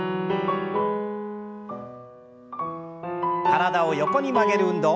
体を横に曲げる運動。